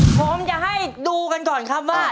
ผมจะให้ดูกันก่อนครับว่า